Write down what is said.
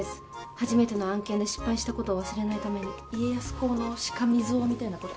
初めての案件で失敗したことを忘れないために家康公のしかみ像みたいなこと？